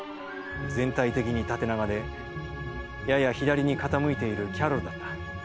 全体的に縦長で、やや左に傾いているキャロルだった。